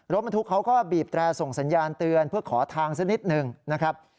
รถบรรทุกเขาก็บีบแตรส่งสัญญาณเตือนเพื่อขอทางสักนิดหนึ่งนะครับ